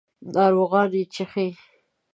ناروغان یې څښي.